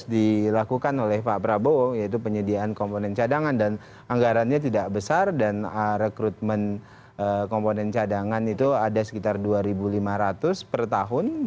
dilakukan oleh pak prabowo yaitu penyediaan komponen cadangan dan anggarannya tidak besar dan rekrutmen komponen cadangan itu ada sekitar dua lima ratus per tahun